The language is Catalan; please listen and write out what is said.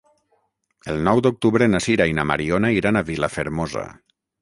El nou d'octubre na Sira i na Mariona iran a Vilafermosa.